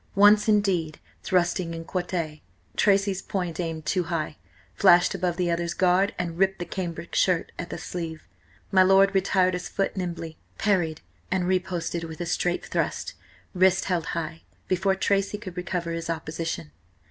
Once, indeed, thrusting in quarte, Tracy's point, aimed too high, flashed above the other's guard and ripped the cambric shirt at the sleeve. My lord retired his foot nimbly, parried, and riposted with a straight thrust, wrist held high, before Tracy could recover his opposition.